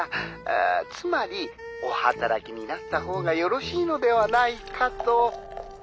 あつまりお働きになった方がよろしいのではないかと。